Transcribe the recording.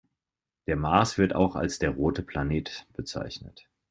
Der Mars wird auch als der „rote Planet“ bezeichnet.